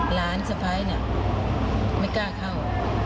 หลานสะพ้ายเนี่ยไม่กล้าเข้า